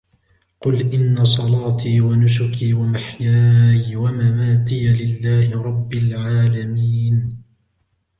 قل إن صلاتي ونسكي ومحياي ومماتي لله رب العالمين